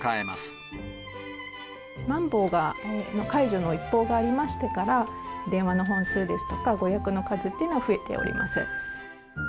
まん防の解除の一報がありましてから、電話の本数ですとか、ご予約の数っていうのは増えております。